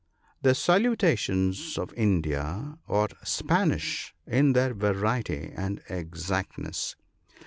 — The salutations of India are Spanish in their variety and exactness.